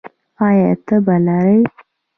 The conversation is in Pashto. ایا تبه لرئ؟